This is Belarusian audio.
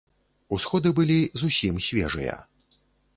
Усходы былі зусім свежыя.